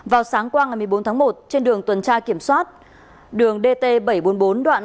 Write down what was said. vào sáng qua ngày một mươi bốn tháng một trên đường tuần tra kiểm soát đường dt bảy trăm bốn mươi bốn đoạn